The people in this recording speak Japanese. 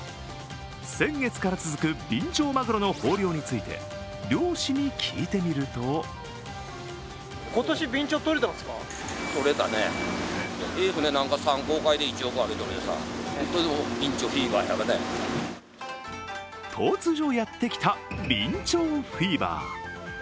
先月から続くビンチョウマグロの豊漁について、漁師に聞いてみると突如やってきたビンチョウフィーバー。